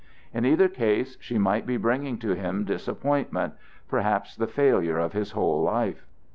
In either case she might be bringing to him disappointment, perhaps the failure of his whole life.